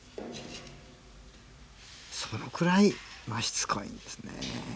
そのぐらいしつこいんですね。